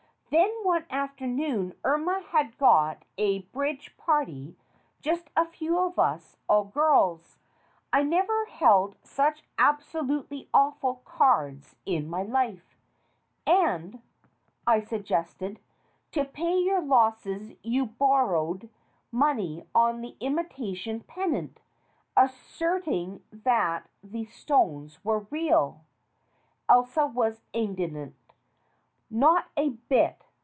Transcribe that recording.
Then one afternoon Irma had got a bridge party, just a few of us, all girls. I never held such absolutely awful cards in my life." SOME IMITATIONS 223 "And," I suggested, "to pay your losses you bor rowed money on the imitation pendant, asserting that the stones were real." Elsa was indignant. "Not a bit.